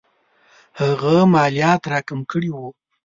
هغه مالیات را کم کړي وو.